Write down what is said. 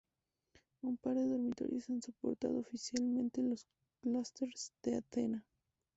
Un par de dormitorios han soportado oficialmente los clusters de Athena.